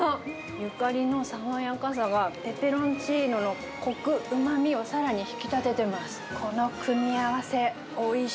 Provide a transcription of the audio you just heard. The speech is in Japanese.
ゆかりの爽やかさが、ペペロンチーノのこく、うまみをさらに引き立ててます。